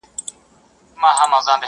نور مي د سپوږمۍ په پلوشو خیالونه نه مینځم٫